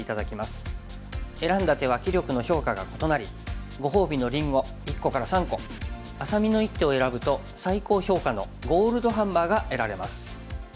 選んだ手は棋力の評価が異なりご褒美のりんご１個から３個愛咲美の一手を選ぶと最高評価のゴールドハンマーが得られます。